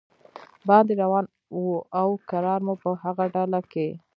باندې روان و او کرار مو په هغه ډله کې.